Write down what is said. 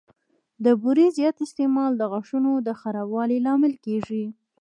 د بوري زیات استعمال د غاښونو د خرابوالي لامل کېږي.